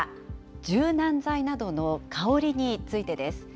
柔軟剤などの香りについてです。